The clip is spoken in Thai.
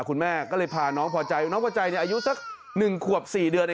คุณแม่ก็เลยพาน้องพอใจน้องพอใจอายุสัก๑ขวบ๔เดือนเอง